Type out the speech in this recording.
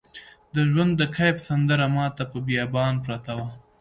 د ژوند د کیف سندره ماته په بیابان پرته وه